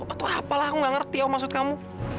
itu apalah aku gak ngerti apa maksud kamu